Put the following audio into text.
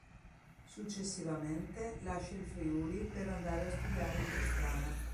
Successivamente lascia il Friuli per andare a studiare in Toscana.